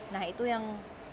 nah itu yang